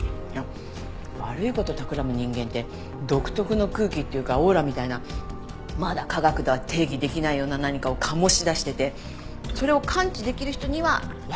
悪い事をたくらむ人間って独特の空気っていうかオーラみたいなまだ科学では定義できないような何かを醸し出しててそれを感知できる人にはわかっちゃうみたいな。